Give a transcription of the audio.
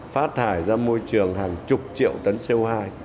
phát thải ra môi trường hàng chục triệu tấn co hai